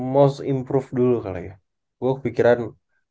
most improve dulu kali ya gue kepikiran